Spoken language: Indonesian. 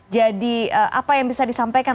apa yang bisa disampaikan